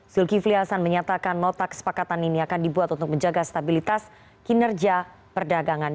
zulkifli hasan menyatakan nota kesepakatan ini akan dibuat untuk menjaga stabilitas kinerja perdagangan